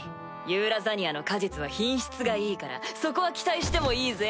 ユーラザニアの果実は品質がいいからそこは期待してもいいぜ！